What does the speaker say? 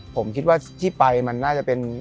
ผมคิดว่าที่ไปมันน่าจะเป็น